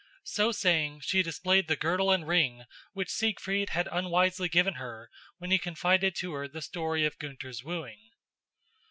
So saying, she displayed the girdle and ring which Siegfried had unwisely given her when he confided to her the story of Gunther's wooing.